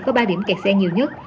có ba điểm kẹt xe nhiều nhất